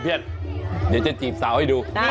เดี๋ยวจะจีบสาวให้ดู